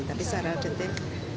tapi secara detik